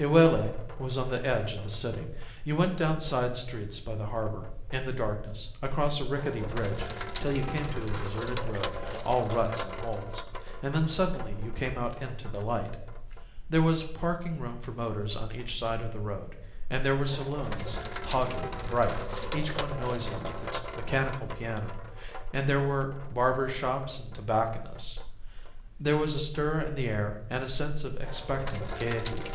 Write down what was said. Iwelei was on the edge of the city. You went down side streets by the harbour, in the darkness, across a rickety bridge, till you came to a deserted road, all ruts and holes, and then suddenly you came out into the light. There was parking room for motors on each side of the road, and there were saloons, tawdry and bright, each one noisy with its mechanical piano, and there were barbers' shops and tobacconists. There was a stir in the air and a sense of expectant gaiety.